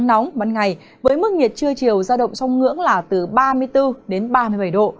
nắng nóng ban ngày với mức nhiệt trưa chiều giao động trong ngưỡng là từ ba mươi bốn đến ba mươi bảy độ